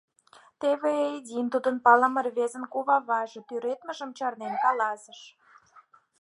Теве Ээдин, тудын палыме рвезын куваваже, тӱредмыжым чарнен, каласыш: